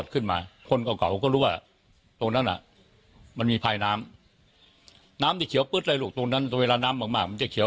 เขาจะเอาร่างขึ้นไปทำบุญทำขันมึงไม่ถึงจันเขาเล่ามากหรือ